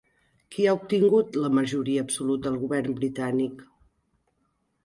Qui ha obtingut la majoria absoluta al govern britànic?